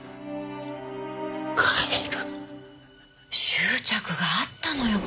執着があったのよ